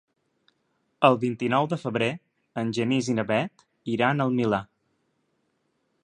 El vint-i-nou de febrer en Genís i na Bet iran al Milà.